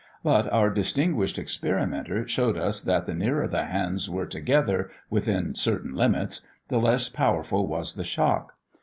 But our distinguished experimenter showed us that the nearer the hands were together, within certain limits, the less powerful was the shock.